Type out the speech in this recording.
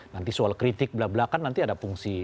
nanti soal kritik bela belakan nanti ada fungsi